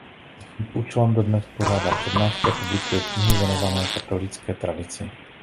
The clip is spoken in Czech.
Za tímto účelem dodnes pořádá přednášky a publikuje knihy věnované katolické tradici.